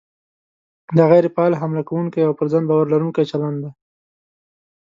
دا غیر فعال، حمله کوونکی او پر ځان باور لرونکی چلند دی.